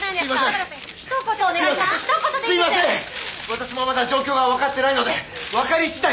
私もまだ状況がわかってないのでわかり次第